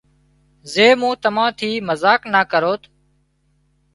زي مُون تمان ٿِي مزاق نا ڪروت